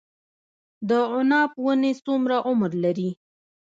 د عناب ونې څومره عمر لري؟